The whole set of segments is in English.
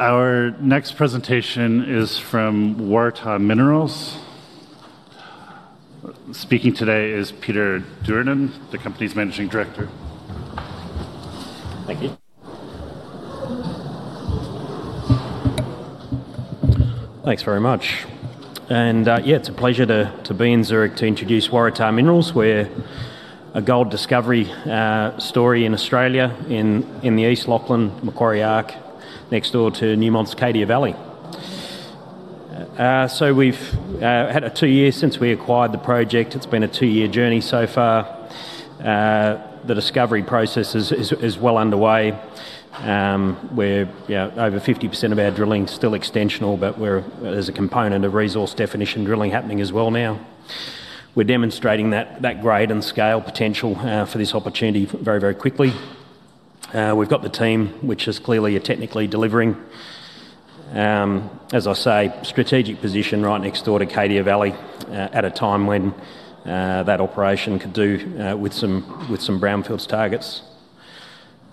Our next presentation is from Waratah Minerals. Speaking today is Peter Duerden, the company's Managing Director. Thanks very much. Yeah, it's a pleasure to be in Zurich to introduce Waratah Minerals. We're a gold discovery story in Australia, in the East Lachlan, Macquarie Arc, next door to Newmont's Cadia Valley. We've had two years since we acquired the project. It's been a two-year journey so far. The discovery process is well underway. We're over 50% of our drilling still extensional, but there's a component of resource definition drilling happening as well now. We're demonstrating that grade and scale potential for this opportunity very, very quickly. We've got the team, which is clearly technically delivering, as I say, strategic position right next door to Cadia Valley at a time when that operation could do with some brownfields targets.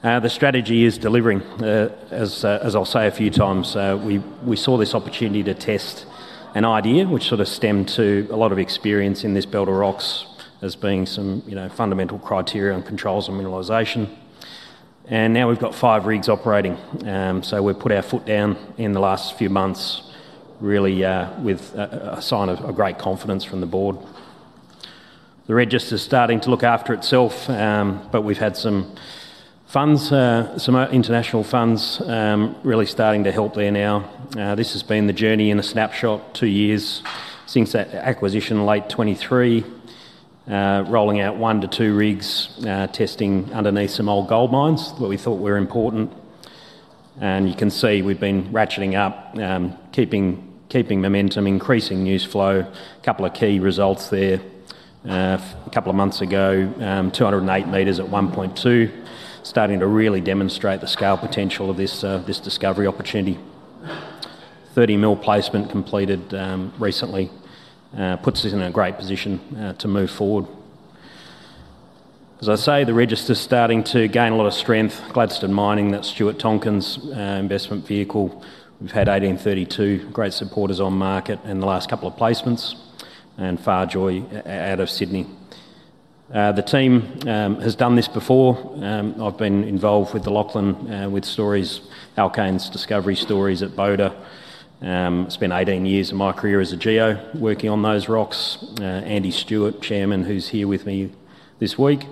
The strategy is delivering. As I'll say a few times, we saw this opportunity to test an idea, which sort of stemmed to a lot of experience in this belt of rocks as being some fundamental criteria and controls of mineralisation. Now we've got five rigs operating. We've put our foot down in the last few months, really with a sign of great confidence from the board. The register's starting to look after itself, but we've had some international funds really starting to help there now. This has been the journey in a snapshot, two years since that acquisition, late 2023, rolling out one to two rigs, testing underneath some old gold mines, what we thought were important. You can see we've been ratcheting up, keeping momentum, increasing news flow. A couple of key results there. A couple of months ago, 208 metres at 1.2, starting to really demonstrate the scale potential of this discovery opportunity. 30 million placement completed recently puts us in a great position to move forward. As I say, the register's starting to gain a lot of strength. Gladstone Mining, that's Stuart Tonkin's investment vehicle. We've had 1832, great supporters on market in the last couple of placements, and Farjoy out of Sydney. The team has done this before. I've been involved with the Lachlan with stories, Alkane's discovery stories at Tomingley. It's been 18 years of my career as a geo working on those rocks. Andy Stewart, Chairman, who's here with me this week.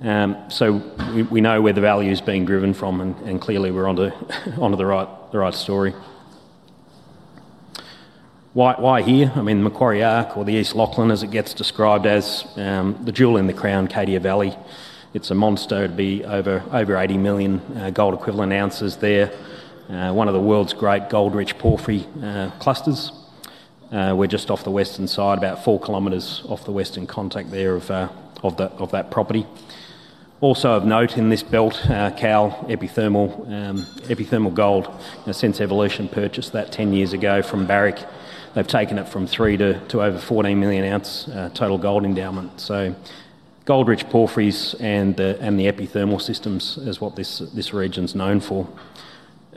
We know where the value is being driven from, and clearly we're onto the right story. Why here? I mean, Macquarie Arc, or the East Lachlan, as it gets described as, the jewel in the crown, Cadia Valley. It's a monster to be over 80 million gold equivalent ounces there. One of the world's great gold-rich porphyry clusters. We're just off the western side, about 4 km off the western contact there of that property. Also of note in this belt, Cowal, epithermal gold. In a sense Evolution purchased that 10 years ago from Barrick. They've taken it from 3 million-12 million, 14 million ounce total gold endowment. Gold-rich porphyries and the epithermal systems is what this region's known for.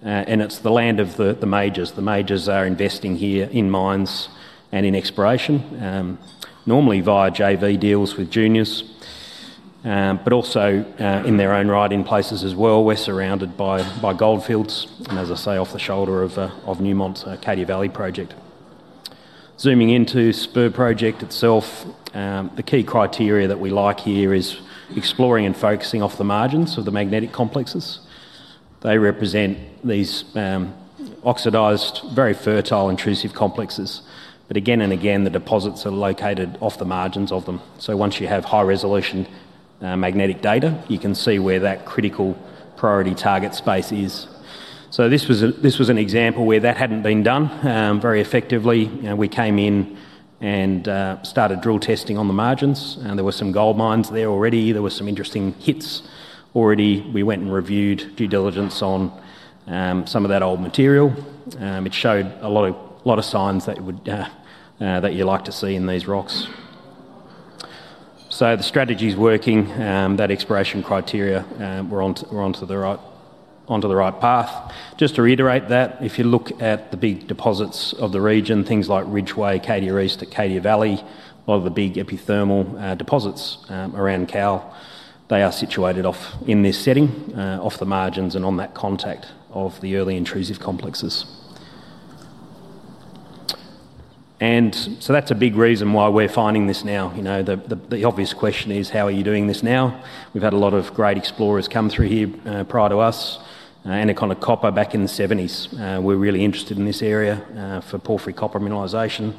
It's the land of the majors. The majors are investing here in mines and in exploration, normally via JV deals with juniors, but also in their own right in places as well. We're surrounded by goldfields, and as I say, off the shoulder of Newmont's Cadia Valley project. Zooming into Spur Project itself, the key criteria that we like here is exploring and focusing off the margins of the magnetic complexes. They represent these oxidized, very fertile, intrusive complexes. Again and again, the deposits are located off the margins of them. Once you have high-resolution magnetic data, you can see where that critical priority target space is. This was an example where that had not been done very effectively. We came in and started drill testing on the margins. There were some gold mines there already. There were some interesting hits already. We went and reviewed due diligence on some of that old material. It showed a lot of signs that you like to see in these rocks. The strategy's working. That exploration criteria, we're onto the right path. Just to reiterate that, if you look at the big deposits of the region, things like Ridgeway, Cadia East, Cadia Valley, a lot of the big epithermal deposits around Cowal, they are situated off in this setting, off the margins and on that contact of the early intrusive complexes. That is a big reason why we are finding this now. The obvious question is, how are you doing this now? We have had a lot of great explorers come through here prior to us, Anaconda Copper back in the 1970s. They were really interested in this area for porphyry copper mineralisation.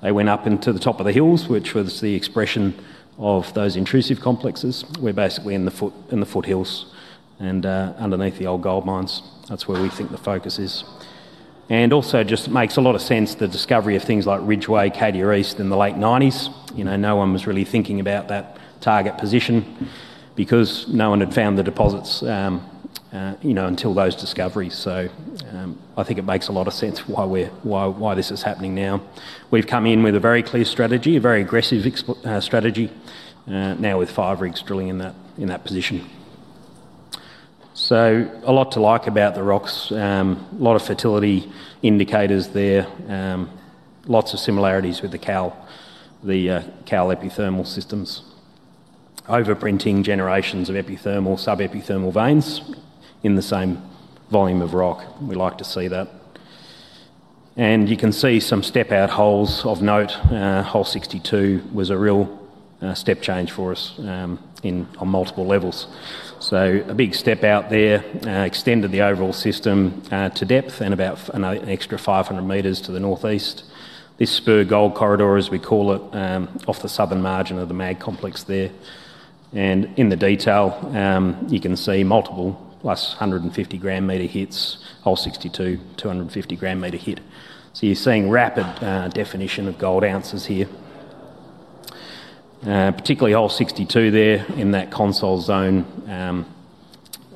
They went up into the top of the hills, which was the expression of those intrusive complexes. We are basically in the foothills and underneath the old gold mines. That is where we think the focus is. It also just makes a lot of sense, the discovery of things like Ridgeway, Cadia East in the late 1990s. No one was really thinking about that target position because no one had found the deposits until those discoveries. I think it makes a lot of sense why this is happening now. We have come in with a very clear strategy, a very aggressive strategy, now with five rigs drilling in that position. There is a lot to like about the rocks. A lot of fertility indicators there. Lots of similarities with the Cowal, the Cowal epithermal systems. Overprinting generations of epithermal, sub-epithermal veins in the same volume of rock. We like to see that. You can see some step-out holes of note. Hole 62 was a real step change for us on multiple levels. A big step out there extended the overall system to depth and about an extra 500 metres to the northeast. This Spur Gold Corridor, as we call it, off the southern margin of the mag complex there. In the detail, you can see multiple plus 150 gram metre hits, hole 62, 250 gram metre hit. You are seeing rapid definition of gold ounces here. Particularly hole 62 there in that consol zone,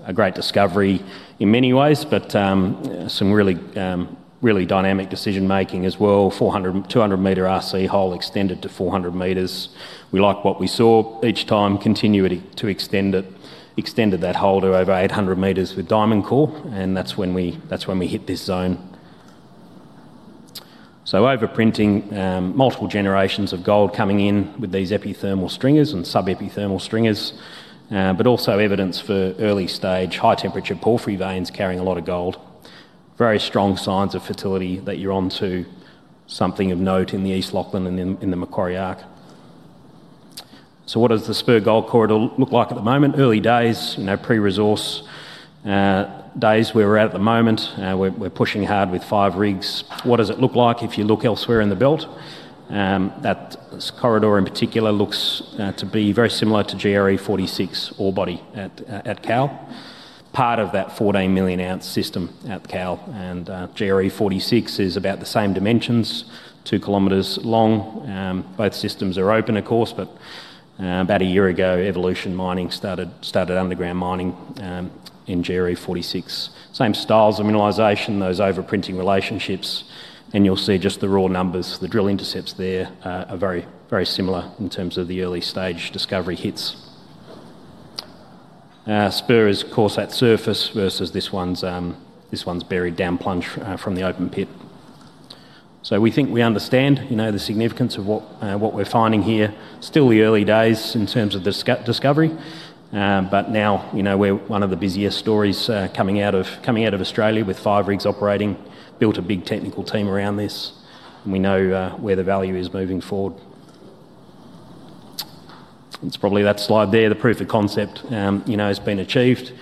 a great discovery in many ways, but some really dynamic decision-making as well, 200 metre RC hole extended to 400 metres. We liked what we saw each time, continued to extend it, extended that hole to over 800 metres with Diamond Core, and that is when we hit this zone. Overprinting, multiple generations of gold coming in with these epithermal stringers and sub-epithermal stringers, but also evidence for early stage, high-temperature porphyry veins carrying a lot of gold. Very strong signs of fertility that you're onto something of note in the East Lachlan and in the Macquarie Arc. What does the Spur Gold Corridor look like at the moment? Early days, pre-resource days where we're at at the moment. We're pushing hard with five rigs. What does it look like if you look elsewhere in the belt? That corridor in particular looks to be very similar to GRE 46 ore body at Cowal. Part of that 14 million ounce system at Cowal. GRE 46 is about the same dimensions, 2 km long. Both systems are open, of course, but about a year ago, Evolution Mining started underground mining in GRE 46. Same styles of mineralisation, those overprinting relationships. You will see just the raw numbers. The drill intercepts there are very similar in terms of the early stage discovery hits. Spur is coarse at surface versus this one is buried downplunge from the open pit. We think we understand the significance of what we are finding here. Still the early days in terms of the discovery, but now we are one of the busiest stories coming out of Australia with five rigs operating. Built a big technical team around this. We know where the value is moving forward. It is probably that slide there, the proof of concept has been achieved,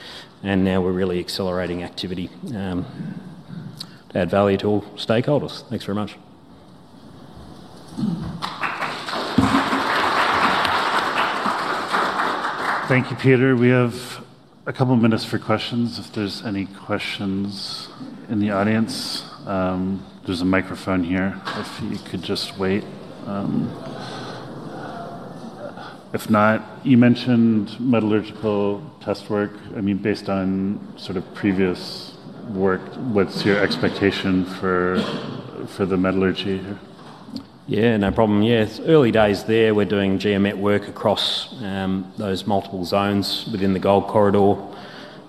and now we are really accelerating activity to add value to all stakeholders. Thanks very much. Thank you, Peter. We have a couple of minutes for questions. If there's any questions in the audience, there's a microphone here. If you could just wait. If not, you mentioned metallurgical test work. I mean, based on sort of previous work, what's your expectation for the metallurgy here? Yeah, no problem. Yeah, early days there, we're doing geomet work across those multiple zones within the gold corridor.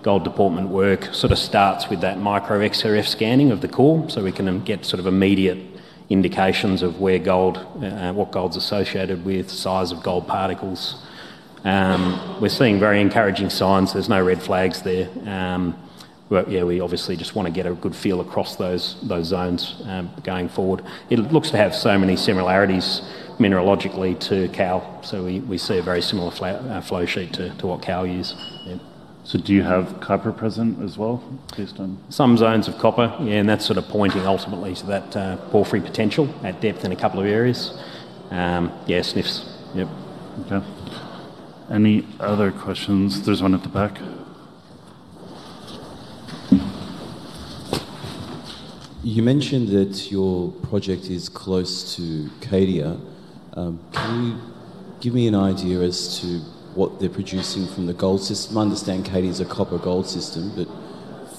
Gold deportment work sort of starts with that micro-XRF scanning of the core, so we can get sort of immediate indications of what gold's associated with, size of gold particles. We're seeing very encouraging signs. There's no red flags there. Yeah, we obviously just want to get a good feel across those zones going forward. It looks to have so many similarities mineralogically to Cowal, so we see a very similar flow sheet to what Cowal use. Do you have copper present as well, based on? Some zones of copper, yeah, and that's sort of pointing ultimately to that porphyry potential at depth in a couple of areas. Yeah, sniffs. Okay. Any other questions? There's one at the back. You mentioned that your project is close to Cadia. Can you give me an idea as to what they're producing from the gold system? I understand Cadia's a copper gold system, but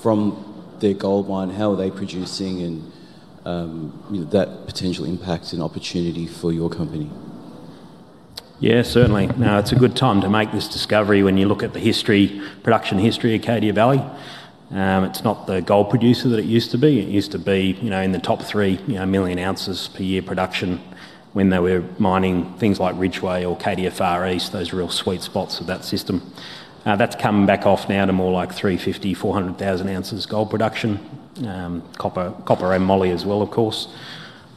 from their gold mine, how are they producing and that potential impact and opportunity for your company? Yeah, certainly. Now, it's a good time to make this discovery when you look at the production history of Cadia Valley. It's not the gold producer that it used to be. It used to be in the top three million ounces per year production when they were mining things like Ridgeway or Cadia East, those real sweet spots of that system. That's come back off now to more like 350,000 ounces-400,000 ounces gold production. Copper and moly as well, of course,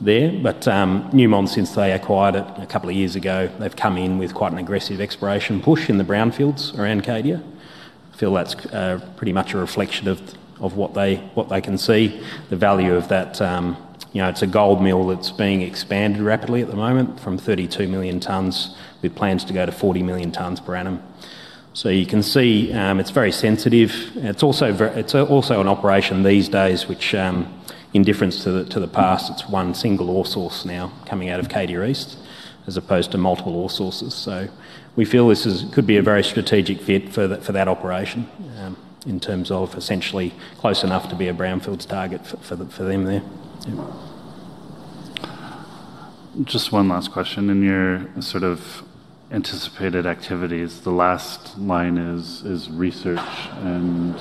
there. Newmont, since they acquired it a couple of years ago, they've come in with quite an aggressive exploration push in the brownfields around Cadia. I feel that's pretty much a reflection of what they can see. The value of that, it's a gold mill that's being expanded rapidly at the moment from 32 million tons with plans to go to 40 million tons per annum. You can see it's very sensitive. It's also an operation these days which, in difference to the past, is one single ore source now coming out of Cadia East as opposed to multiple ore sources. We feel this could be a very strategic fit for that operation in terms of essentially close enough to be a brownfields target for them there. Just one last question. In your sort of anticipated activities, the last line is research and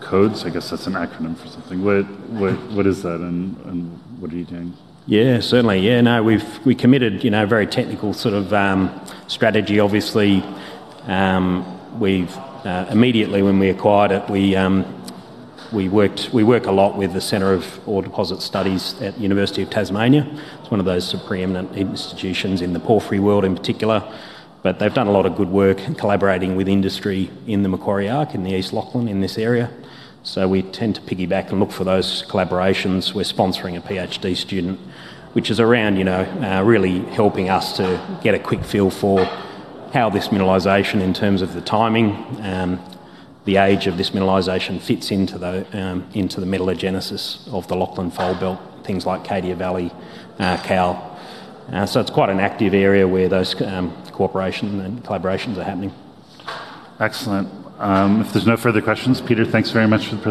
CODES. I guess that's an acronym for something. What is that and what are you doing? Yeah, certainly. Yeah, no, we've committed a very technical sort of strategy. Obviously, immediately when we acquired it, we work a lot with the Centre of Ore Deposit Studies at the University of Tasmania. It's one of those preeminent institutions in the porphyry world in particular, but they've done a lot of good work collaborating with industry in the Macquarie Arc, in the East Lachlan, in this area. We tend to piggyback and look for those collaborations. We're sponsoring a PhD student, which is around really helping us to get a quick feel for how this mineralisation in terms of the timing, the age of this mineralisation fits into the metallogenesis of the Lachlan Fold Belt, things like Cadia Valley, Cowal. It's quite an active area where those cooperations and collaborations are happening. Excellent. If there's no further questions, Peter, thanks very much for the time.